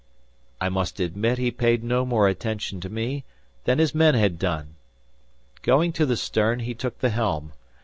I must admit he paid no more attention to me, than his men had done. Going to the stern, he took the helm.